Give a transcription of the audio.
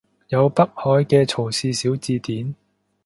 有北海嘅曹氏小字典